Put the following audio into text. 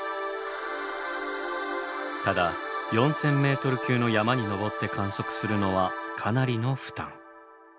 ただ４，０００ｍ級の山に登って観測するのはかなりの負担。